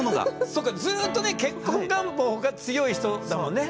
そっかずっとね結婚願望が強い人だもんね。